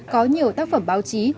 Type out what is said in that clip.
có nhiều tác phẩm báo chí